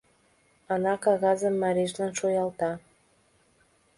— Ана кагазым марийжылан шуялта.